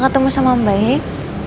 ma ketemu sama mbak